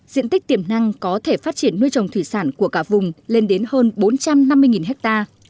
diện tích tiềm năng có thể phát triển nuôi trồng thủy sản của cả vùng lên đến hơn bốn trăm năm mươi ha